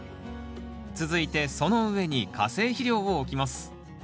続いてその上に化成肥料を置きます